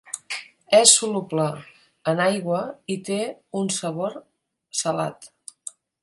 És soluble en aigua i té un sabor salat.